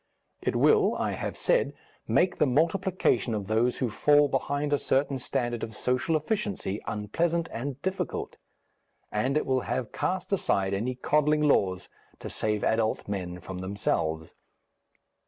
It will, I have said, make the multiplication of those who fall behind a certain standard of social efficiency unpleasant and difficult, and it will have cast aside any coddling laws to save adult men from themselves.